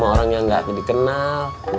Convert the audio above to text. sama orang yang ga dikenal